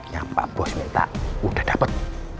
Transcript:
yang pak bos minta udah dapat